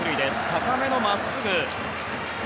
高めのまっすぐ。